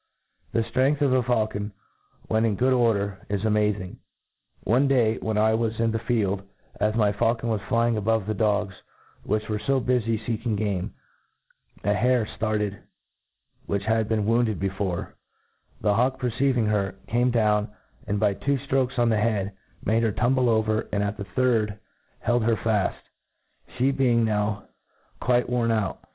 The ftrcngth of a faulcon, when in good order, is amazing. One day, when I was in the field, as my faulcon was flying above the dogs, which were bufy feeking game, a hare ftartcd, , which had been wounded before j the hawk per ceiving her, came down, and, by two ftrokes on the head^ made her tumble over, and, at the third, held her fcdlj flie being now quite worn Out..